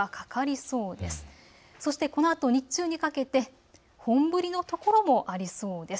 そして、このあと日中にかけて本降りの所もありそうです。